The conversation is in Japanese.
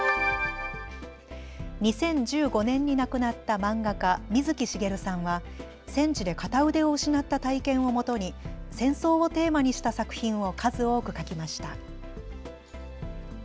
２０１５年に亡くなった漫画家、水木しげるさんは戦地で片腕を失った体験をもとに戦争をテーマにした作品を数多く描きました。